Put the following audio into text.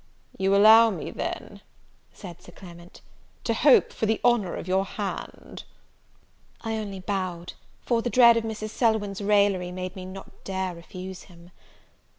"You allow me, then," said Sir Clement, "to hope for the honour of your hand?" I only bowed, for the dread of Mrs. Selwyn's raillery made me not dare refuse him.